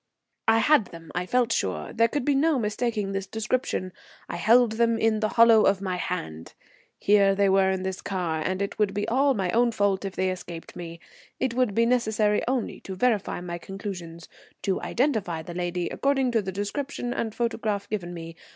I had them, I felt sure. There could be no mistaking this description. I held them in the hollow of my hand. Here they were in this car, and it would be all my own fault if they escaped me. It would be necessary only to verify my conclusions, to identify the lady according to the description and photograph given me.